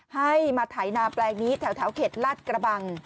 ให้มาไถนาแปลงนี้แถวเขตลาดกระบัง